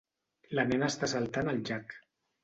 La nena està saltant al llac.